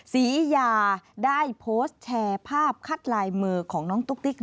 ศรียาได้โพสต์แชร์ภาพคัดลายมือของน้องตุ๊ก